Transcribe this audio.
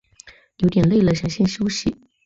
有点累了想先休息